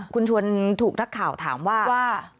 คุณชวนถูกนักข่าวถามว่า